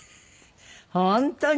本当に？